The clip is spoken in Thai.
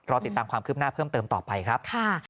ติดตามความคืบหน้าเพิ่มเติมต่อไปครับ